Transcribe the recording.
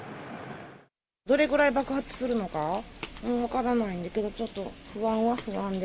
どれぐらい爆発するのか分からないんで、ちょっと不安は不安で。